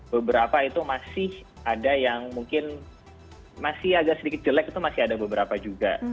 beberapa itu masih ada yang mungkin masih agak sedikit jelek itu masih ada beberapa juga